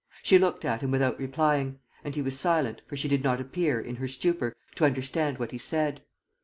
She looked at him without replying; and he was silent, for she did not appear, in her stupor, to understand what he said.